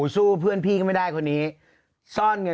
ถูกต้อง